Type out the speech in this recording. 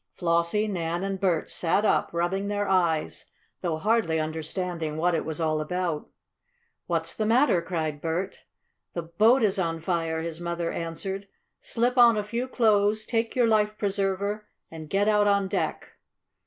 Flossie, Nan and Bert sat up, rubbing their eyes, though hardly understanding what it was all about. "What's the matter?" cried Bert. "The boat is on fire!" his mother answered. "Slip on a few clothes, take your life preserver, end get out on deck."